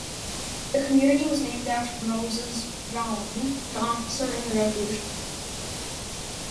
The community was named for Moses Rawlings, an officer in the Revolutionary War.